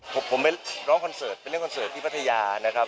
ผมไปร้องคอนเสิร์ตไปเล่นคอนเสิร์ตที่พัทยานะครับ